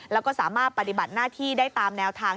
แล้วก็สามารถปฏิบัติหน้าที่ได้ตามแนวทาง